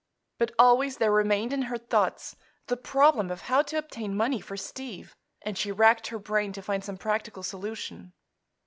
But always there remained in her thoughts the problem of how to obtain money for Steve, and she racked her brain to find some practical solution.